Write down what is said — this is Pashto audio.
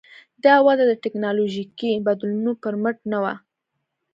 دا وده د ټکنالوژیکي بدلونونو پر مټ نه وه.